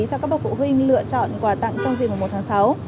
cho các bậc phụ huynh lựa chọn quà tặng trong dịp mùa một tháng sáu